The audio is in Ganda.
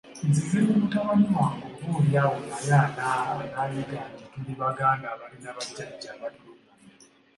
Nzize ne mutabani wange oboolyawo naye anaayiga nti tuli Baganda abalina bajjajja abatulungamya.